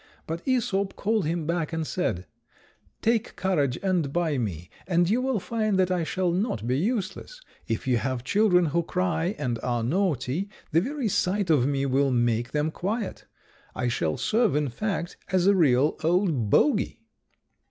But Æsop called him back, and said, "Take courage and buy me, and you will find that I shall not be useless. If you have children who cry and are naughty, the very sight of me will make them quiet; I shall serve, in fact, as a real old bogy."